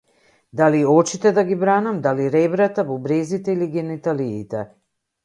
Дали очите да ги бранам, дали ребрата, бубрезите или гениталиите?